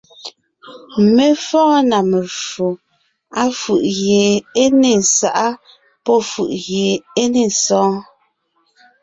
Mé fɔ́ɔn na meffo, áfʉ̀ʼ gie é nyé sáʼa pɔ́ fʉ̀ʼʉ gie é ne sɔɔn: